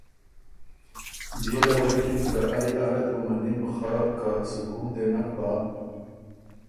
بيې له غوېکِن که ائ اره ت بُو منِم خه که سکون دې نک بۀ